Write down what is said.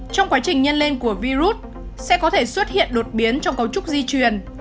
trong quá trình nhân lên của virus sẽ có thể xuất hiện đột biến trong cấu trúc di truyền